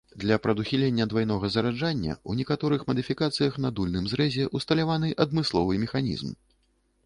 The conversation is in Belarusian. Для прадухілення двайнога зараджання ў некаторых мадыфікацыях на дульным зрэзе усталяваны адмысловы механізм.